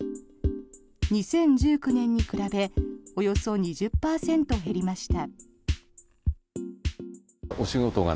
２０１９年に比べおよそ２０％減りました。